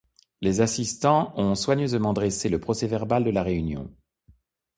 Les assistants ont soigneusement dressé le procès-verbal de la réunion.